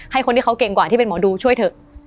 ให้คนที่เขาเก่งกว่าที่เป็นหมอดูช่วยเถอะ